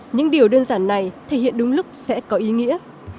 những điều đơn giản này thể hiện đúng lúc sẽ có ý nghĩa